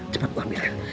cepat bu ambilkan